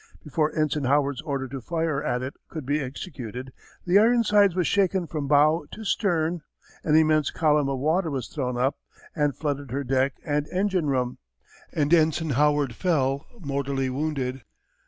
Before Ensign Howard's order to fire at it could be executed, the Ironsides was shaken from bow to stern, an immense column of water was thrown up and flooded her deck and engine room, and Ensign Howard fell, mortally wounded.